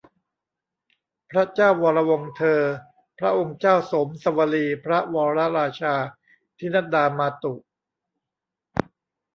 พระเจ้าวรวงศ์เธอ พระองค์เจ้าโสมสวลี พระวรราชาทินัดดามาตุ